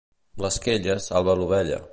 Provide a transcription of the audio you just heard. L'esquella salva l'ovella.